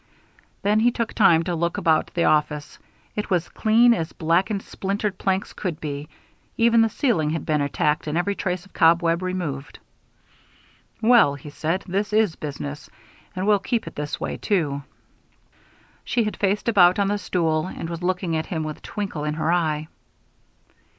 Then he took time to look about the office. It was as clean as blackened, splintered planks could be made; even the ceiling had been attacked and every trace of cobweb removed. "Well," he said, "this is business. And we'll keep it this way, too." She had faced about on the stool and was looking at him with a twinkle in her eye.